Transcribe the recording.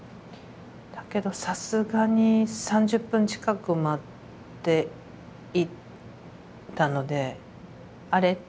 だけどさすがに３０分近く待っていたので「あれ？」